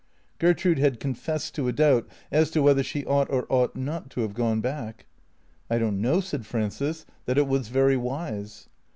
Gertrude had confessed to a doubt as to whether she ought or ought not to have gone back. " I don't know," said Frances, " that it was very wise."